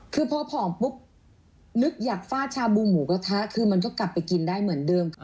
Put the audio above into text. คือพอผอมปุ๊บนึกอยากฟาดชาบูหมูกระทะคือมันก็กลับไปกินได้เหมือนเดิม